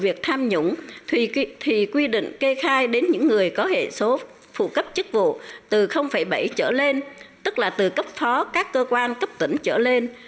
việc tham nhũng thì quy định kê khai đến những người có hệ số phụ cấp chức vụ từ bảy trở lên tức là từ cấp phó các cơ quan cấp tỉnh trở lên